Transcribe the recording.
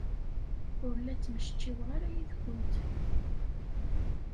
Ur la ttmecčiweɣ ara yid-went.